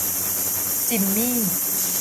จิมมี่